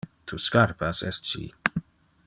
Tu scarpas es ci.